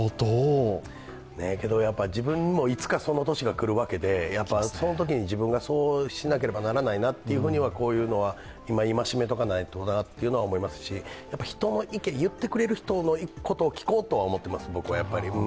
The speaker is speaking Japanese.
自分もいつかその年が来るわけでそのときに自分がそうしなければならないなというふうにはこういうのは今、戒めておかないとなと思いますし、人の意見、言ってくれる人のことを聞こうとは思っています。